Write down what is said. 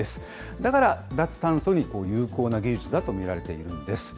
だから、脱炭素に有効な技術だと見られているんです。